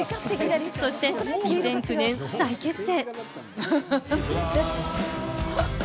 そして２００９年再結成。